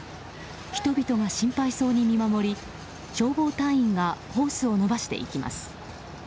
人々が心配そうに見守り消防隊員がホースを伸ばしていきます。